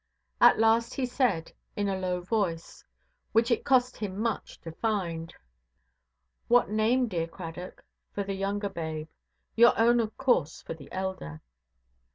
At last he said, in a low voice, which it cost him much to find— "What name, dear Cradock, for the younger babe? Your own, of course, for the elder".